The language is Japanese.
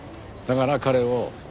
だから彼を。